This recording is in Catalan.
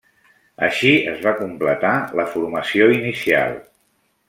Així es va completar la formació inicial.